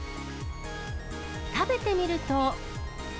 食べてみると。